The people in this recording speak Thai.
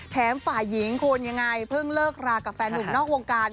ฝ่ายหญิงคุณยังไงเพิ่งเลิกรากับแฟนหนุ่มนอกวงการ